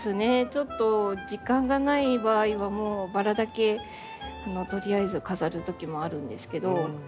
ちょっと時間がない場合はバラだけとりあえず飾るときもあるんですけど。